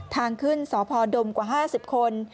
ทางขึ้นสพดมกว่า๕๐คน